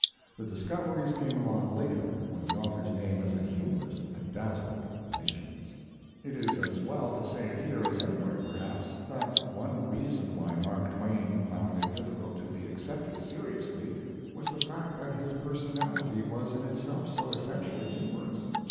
The discoveries came along later, when the author's fame as a humorist had dazzled the nations. It is as well to say it here as anywhere, perhaps, that one reason why Mark Twain found it difficult to be accepted seriously was the fact that his personality was in itself so essentially humorous.